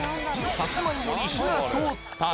サツマイモに火が通ったら。